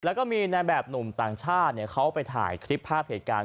แล้วก็มีในแบบหนุ่มต่างชาติเขาไปถ่ายคลิปภาพเหตุการณ์